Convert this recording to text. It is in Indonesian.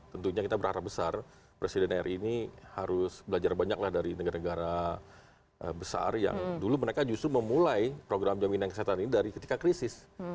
tentunya kita berharap besar presiden ri ini harus belajar banyak lah dari negara negara besar yang dulu mereka justru memulai program jaminan kesehatan ini dari ketika krisis